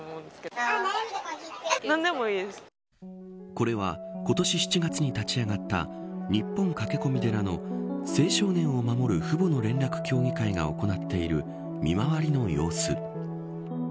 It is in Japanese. これは今年７月に立ち上がった日本駆け込み寺の青少年を守る父母の連絡協議会が行っている見回りの様子。